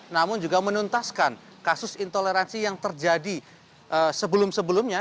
namun juga menuntaskan kasus intoleransi yang terjadi sebelum sebelumnya